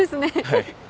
はい。